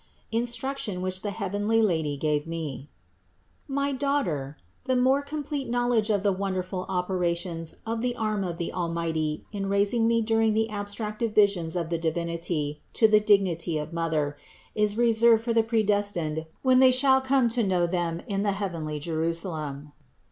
INSTRUCTION WHICH THE HEAVENLY LADY GAVE ME. 57. My daughter, the more complete knowledge of the wonderful operations of the arm of the Almighty in raising me during the abstractive visions of the Divinity to the dignity of Mother, is reserved for the predestined when they shall come to know them in the heavenly 60 CITY OF GOD Jerusalem.